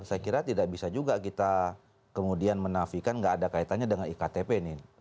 saya kira tidak bisa juga kita kemudian menafikan nggak ada kaitannya dengan iktp ini